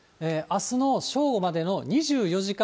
朝の正午までの２４時間